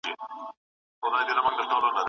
په خندا شوه